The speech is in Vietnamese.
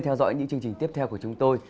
theo dõi những chương trình tiếp theo của chúng tôi